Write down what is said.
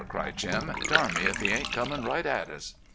cried Jim. "Darn me if he ain't comin' right at us."